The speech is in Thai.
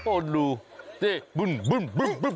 โอ้ลูนี่บึ้มบึ้มบึ้มบึ้ม